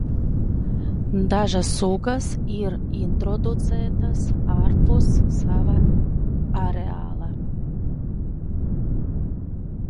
Dažas sugas ir introducētas ārpus sava areāla.